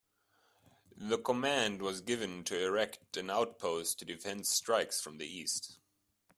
The command was given to erect an outpost to defend strikes from the east.